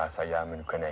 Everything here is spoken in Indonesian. fakta yang paling kelam